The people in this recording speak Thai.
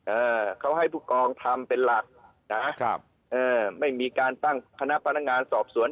เอ่อเขาให้ผู้กองทำเป็นหลักนะครับเอ่อไม่มีการตั้งคณะพนักงานสอบสวน